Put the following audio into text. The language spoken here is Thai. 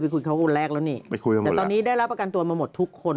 ไปคุยกับคุณแรกแต่ตอนนี้ได้รับประกันตัวมาหมดทุกคน